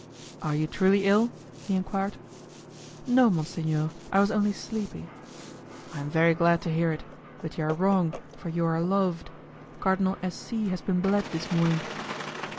"Are you truly ill?" he enquired. "No, monsignor, I was only sleepy." "I am very glad to hear it; but you are wrong, for you are loved. Cardinal S. C. has been bled this morning."